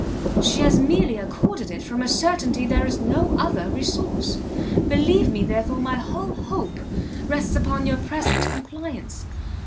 "She has merely accorded it from a certainty there is no other resource. Believe me, therefore, my whole hope rests upon your present compliance.